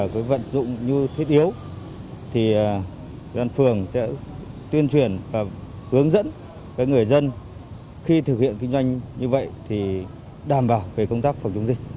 với vận dụng như thiết yếu thì đoàn phường sẽ tuyên truyền và hướng dẫn người dân khi thực hiện kinh doanh như vậy đảm bảo công tác phòng chống dịch